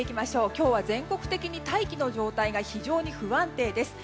今日は全国的に大気の状態が非常に不安定です。